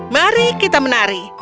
mari kita menari